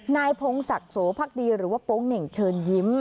นายพงศักดิ์โสพักดีหรือว่าโป๊งเหน่งเชิญยิ้ม